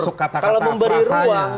kalau memberi ruang